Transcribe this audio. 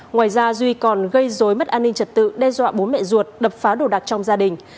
ngoài ra duy còn gây dối mất an ninh trật tự đe dọa bố mẹ ruột đập phá đồ đạc trong gia đình